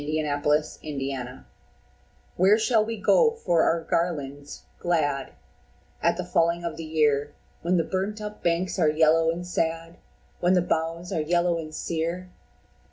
A Song of Autumn "Where shall we go for our garlands glad At the falling of the year, When the burnt up banks are yellow and sad, When the boughs are yellow and sere?